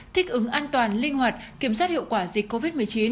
thích ứng an toàn linh hoạt kiểm soát hiệu quả dịch covid một mươi chín